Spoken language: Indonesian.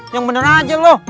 yang bener aja lo